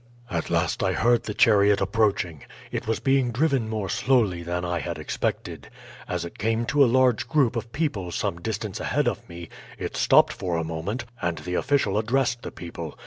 "At last I heard the chariot approaching. It was being driven more slowly than I had expected. As it came to a large group of people some distance ahead of me it stopped for a moment, and the official addressed the people.